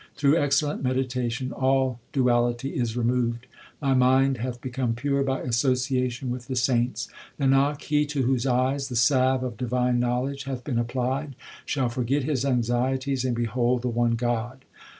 Through excellent meditation all duality is removed ; My mind hath become pure by association with the saints. Nanak, he to whose eyes the salve of divine knowledge hath been applied, Shall forget his anxieties and behold the one God.